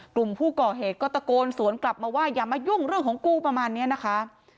กลุ่มผู้ก่อเหตุก็ตะโกนสวนกลับมาว่าอย่ามายุ่งเรื่องของกูประมาณนี้นะคะ